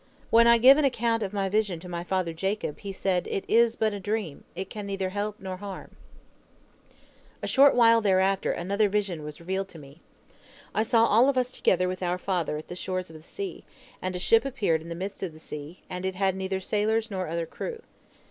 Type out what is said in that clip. When I gave an account of my vision to my father Jacob, he said, 'It is but a dream, it can neither help nor harm.' "A short while thereafter another vision was revealed to me. I saw all of us together with our father at the shores of the sea, and a ship appeared in the midst of the sea, and it had neither sailors nor other crew.